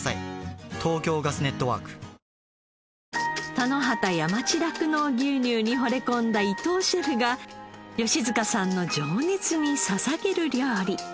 田野畑山地酪農牛乳にほれ込んだ伊藤シェフが吉塚さんの情熱に捧げる料理。